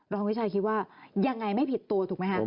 รองวิชัยคิดว่าอย่างไรไม่ผิดตัวถูกไหมครับ